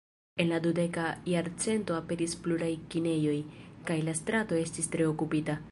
En la dudeka jarcento aperis pluraj kinejoj, kaj la strato estis tre okupita.